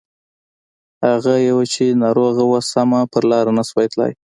هغه يوه چې ناروغه وه سمه په لاره نه شوه تللای.